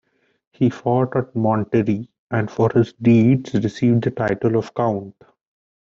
He fought at Monterrey, and for his deeds received the title of count.